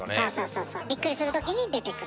そうそうびっくりするときに出てくる。